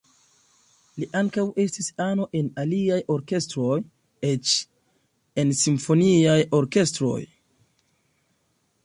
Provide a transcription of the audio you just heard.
Li ankaŭ estis ano en aliaj orkestroj, eĉ en simfoniaj orkestroj.